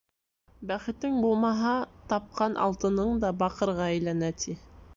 Бәхетең булмаһа, тапҡан алтының да баҡырға әйләнә, ти.